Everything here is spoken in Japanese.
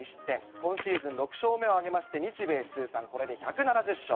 今シーズン６勝目を挙げまして、日米通算これで１７０勝。